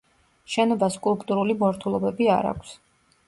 შენობას სკულპტურული მორთულობები არ აქვს.